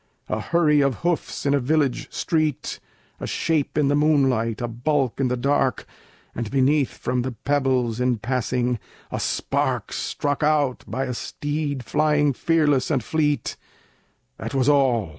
A hurry of hoofs in a village street, A shape in the moonlight, a bulk in the dark, And beneath from the pebbles, in passing, a spark Struck out by a steed flying fearless and fleet: That was all!